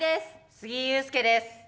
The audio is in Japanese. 杉井勇介です。